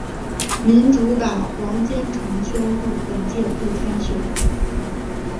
民主党黄坚成宣布本届不参选。